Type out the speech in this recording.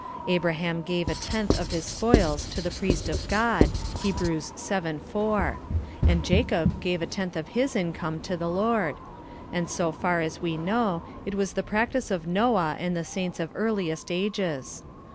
Abraham gave a tenth of his spoils to the priest of God (Hebrew 7: 4); and Jacob gave a GIVING THE TENTH. 99 tenth of h is income to the Lord; and, so far as we know, it was the practice of Noah and the saints of ear liest ages.